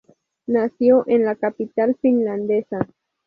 Nació en la capital finlandesa.